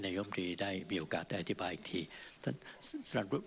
และชิ้นสรุปเต็มมีก็เช่นเดียวกันครับ